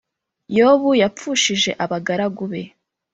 yobu yapfushije abagaragu be